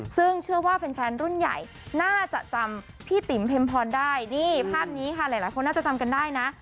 ซึ่งเชื่อว่าแฟนรุ่นใหญ่น่าจะจำพี่ติ๋มเพ็มพรได้นี่ภาพนี้ค่ะหลายคนน่าจะจำกันได้นะ